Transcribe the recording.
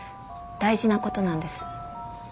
大事なことなんです。